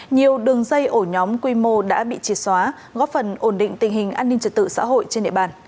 nhiều đường dây ổ nhóm quy mô đã bị triệt xóa góp phần ổn định tình hình an ninh trật tự xã hội trên địa bàn